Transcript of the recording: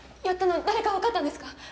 やったの誰か分かったんですか